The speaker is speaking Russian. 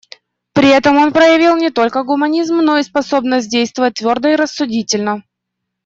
При этом он проявил не только гуманизм, но и способность действовать твердо и рассудительно.